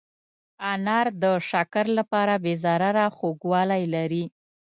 انار د شکر لپاره بې ضرره خوږوالی لري.